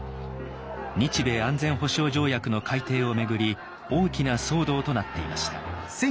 日米安全保障条約の改定を巡り大きな騒動となっていました。